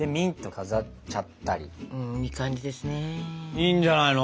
いいんじゃないの？